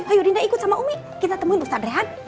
ayo dinda ikut sama umi kita temuin ustadz rehan